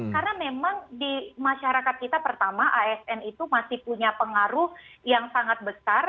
karena memang di masyarakat kita pertama asn itu masih punya pengaruh yang sangat besar